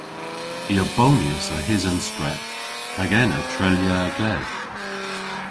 I a bonyas a-hys an stret hag ena treylya a gledh.